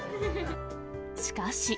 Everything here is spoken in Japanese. しかし。